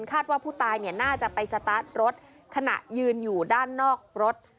คาดว่าผู้ตายน่าจะไปสตาร์ทรถขณะยืนอยู่ด้านนอกรถ